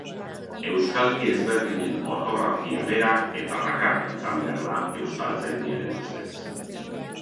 Euskalki ezberdinen ortografia bera eta bakarra izan behar da Euskaltzaindiaren ustez.